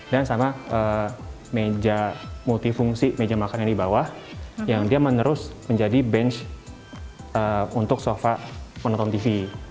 dan sama meja multifungsi meja makan yang di bawah yang dia menerus menjadi bench untuk sofa menonton tv